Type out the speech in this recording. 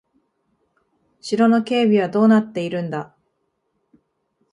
城の警備はどうなっているんだ。